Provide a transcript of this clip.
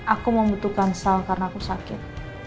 aku membutuhkan sel karena aku sakit